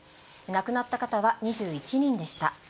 亡くなった方は２１人でした。